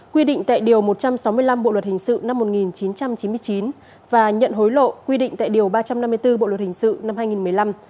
quy định tại điều một trăm sáu mươi năm bộ luật hình sự năm một nghìn chín trăm chín mươi chín và nhận hối lộ quy định tại điều ba trăm năm mươi bốn bộ luật hình sự năm hai nghìn một mươi năm